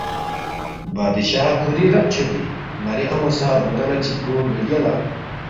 بادشاہ کُھوری رب چھودی ن٘ری ان٘و سہ عمرہ لہ چِک گو مِہ رگیَالا؟